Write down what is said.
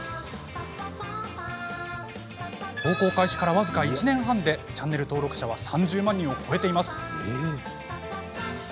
投稿開始から僅か１年半でチャンネル登録者は３０万人を超えています。